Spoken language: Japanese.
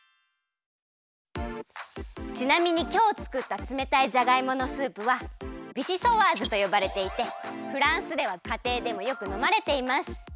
ちなみにきょうつくったつめたいじゃがいものスープはビシソワーズとよばれていてフランスではかていでもよくのまれています。